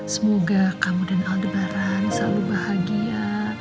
semoga kamu dan aldebaran selalu bahagia